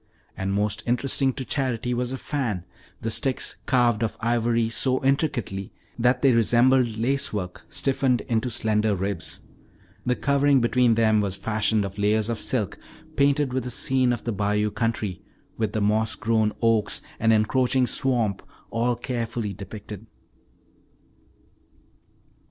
And most interesting to Charity was a fan, the sticks carved of ivory so intricately that they resembled lacework stiffened into slender ribs. The covering between them was fashioned of layers of silk painted with a scene of the bayou country, with the moss grown oaks and encroaching swamp all carefully depicted.